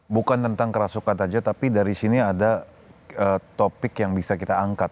bukan tentang kerasukan saja tapi dari sini ada topik yang bisa kita angkat